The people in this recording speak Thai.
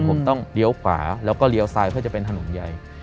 ผมต้องเลี้ยวขวาแล้วก็เลี้ยวซ้ายเพื่อจะเป็นถนนใหญ่